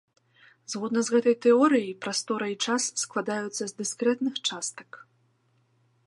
Згодна з гэтай тэорыяй, прастора і час складаюцца з дыскрэтных частак.